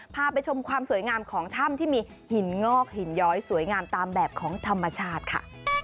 พาไปชมความสวยงามของถ้ำที่มีหินงอกหินย้อยสวยงามตามแบบของธรรมชาติค่ะ